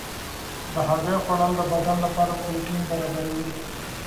د هګۍ خوړل د بدن لپاره پروټین برابروي.